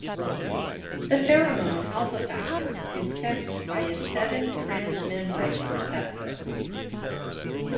The pheromone alpha-factor is sensed by a seven transmembrane receptor.